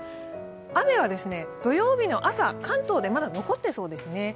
雨は土曜日の朝、関東でまだ残ってそうですね。